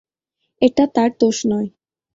এটা তার দোষ নয়।